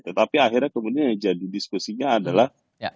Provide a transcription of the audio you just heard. tetapi akhirnya kemudian yang jadi diskusinya adalah